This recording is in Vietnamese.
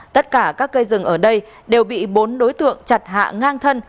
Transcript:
tất cả các cây rừng ở đây đều bị bốn đối tượng chặt hạ ngang thân